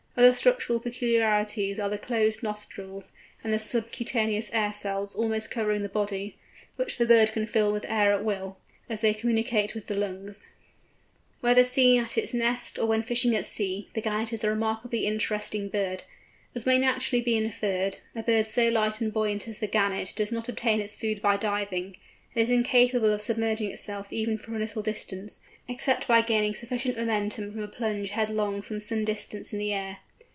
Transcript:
Other structural peculiarities are the closed nostrils, and the subcutaneous air cells almost covering the body, which the bird can fill with air at will, as they communicate with the lungs. Whether seen at its nest, or when fishing at sea, the Gannet is a remarkably interesting bird. As may naturally be inferred, a bird so light and buoyant as the Gannet does not obtain its food by diving. It is incapable of submerging itself even for a little distance, except by gaining sufficient momentum from a plunge headlong from some distance in the air.